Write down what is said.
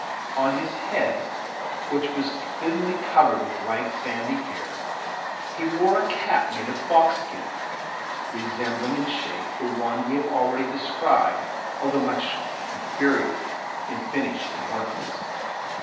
On his head, which was thinly covered with lank, sandy hair, he wore a cap made of fox skin, resembling in shape the one we have already described, although much inferior in finish and ornaments.